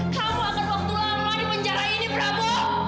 kamu akan waktu lama di penjara ini prabu